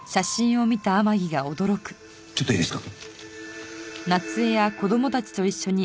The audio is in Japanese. ちょっといいですか？